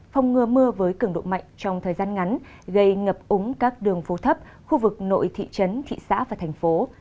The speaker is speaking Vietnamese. phong ngừa mưa với cường độ mạnh trong thời gian ngắn gây ngập úng các đường phố thấp khu vực nội thị trấn thị xã và thành phố